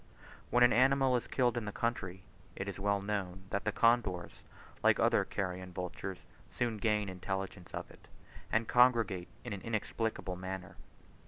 When an animal is killed in the country, it is well known that the condors, like other carrion vultures, soon gain intelligence of it, and congregate in an inexplicable manner.